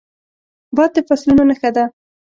باد د فصلونو نښه ده